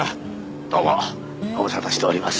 どうもご無沙汰しております。